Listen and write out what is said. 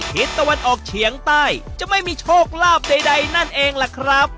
ทิศตะวันออกเฉียงใต้จะไม่มีโชคลาภใดนั่นเองล่ะครับ